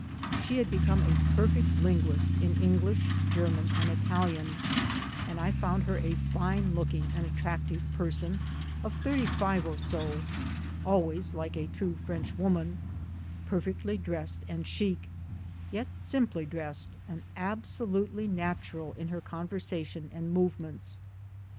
She had become a perfect linguist in English, German and Italian ; and I found her a fine looking and attractive person of thirty five or so, always, like a true Frenchwoman, per fectly dressed and chic, yet simply dressed and abso lutely natural in her conversation and movements.